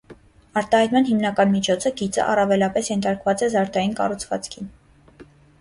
Արտահայտման հիմնական միջոցը՝ գիծը, առավելապես ենթարկված է զարդային կառուցվածքին։